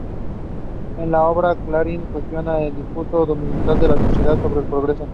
En la obra Clarín cuestiona el discurso dominante de la sociedad sobre el progreso.